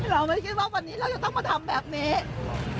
เราไม่คิดว่าวันนี้เราจะต้องมาทำแบบนี้